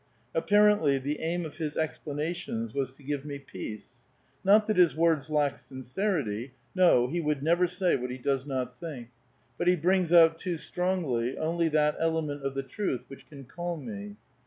Apparently the aim of his explan ations was to give me peace. Not that his words lack sincerity, — no, he would never say what he does not think, — but he brings out too strongly only that element of the truth which can calm me.